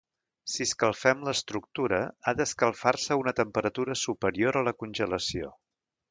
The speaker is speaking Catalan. Si escalfem l"estructura, ha d"escalfar-se a una temperatura superior a la congelació.